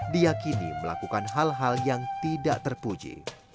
diakini melakukan hal hal yang tidak terpuji